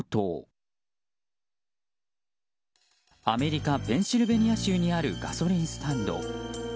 アメリカペンシルベニア州にあるガソリンスタンド。